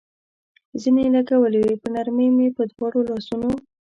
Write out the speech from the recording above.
زنې لګولې وې، په نرمۍ مې په دواړو لاسونو.